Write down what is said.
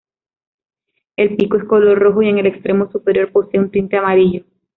El pico es color rojo y en el extremo superior posee un tinte amarillo.